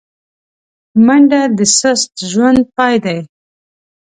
منډه د سست ژوند پای دی